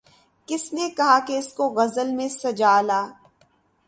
کس نے کہا کہ اس کو غزل میں سجا لا